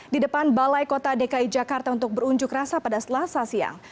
di depan balai kota dki jakarta untuk berunjuk rasa pada selasa siang